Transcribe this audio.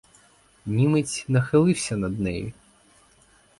Німець нахилився над нею.